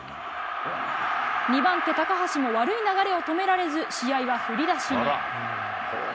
２番手高橋も悪い流れを止められず、試合は振り出しに。